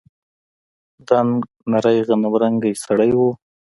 دنګ نرى غنمرنگى سړى و.